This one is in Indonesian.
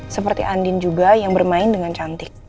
seperti andin juga yang bermain dengan cantik